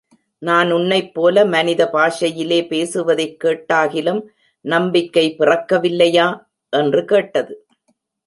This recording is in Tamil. நான் உன்னைப் போல மனித பாஷையிலே பேசுவதைக் கேட்டாகிலும் நம்பிக்கை பிறக்கவில்லையா? என்று கேட்டது.